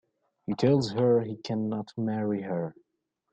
He tells her he cannot marry her.